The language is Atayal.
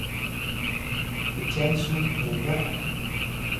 pcyan su meloh?